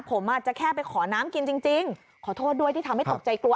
ผมอาจจะแค่ไปขอน้ำกินจริงขอโทษด้วยที่ทำให้ตกใจกลัว